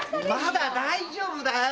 まだ大丈夫だよ。